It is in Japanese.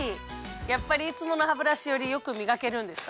やっぱりいつものハブラシより良くみがけるんですか？